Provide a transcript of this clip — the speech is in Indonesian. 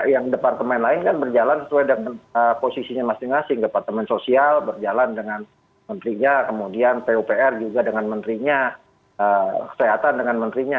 yang departemen lain kan berjalan sesuai dengan posisinya masing masing departemen sosial berjalan dengan menterinya kemudian pupr juga dengan menterinya kesehatan dengan menterinya